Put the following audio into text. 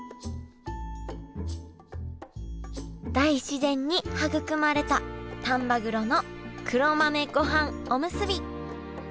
大自然に育まれた丹波黒の黒豆ごはんおむすび。